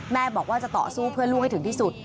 แม่บอกว่าจะต่อสู้เพื่อลูกให้ถึงที่สุด